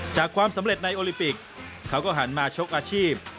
ความสำเร็จในโอลิมปิกเขาก็หันมาชกอาชีพ